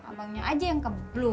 abangnya aja yang keblu